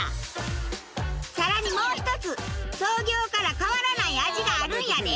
さらにもう一つ創業から変わらない味があるんやで。